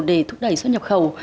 để thúc đẩy xuất nhập khẩu